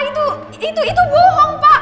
itu itu bohong pak